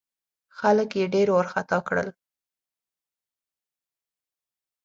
خلک یې ډېر وارخطا کړل.